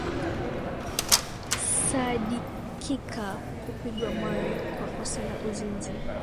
sadikika kupigwa mawe kwa kosa la uzinzi